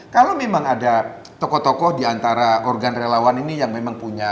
kalau memang ada tokoh tokoh diantara organ relawan ini yang memang punya